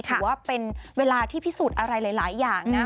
ถือว่าเป็นเวลาที่พิสูจน์อะไรหลายอย่างนะ